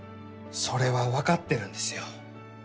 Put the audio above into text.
それはわかってるんですよ。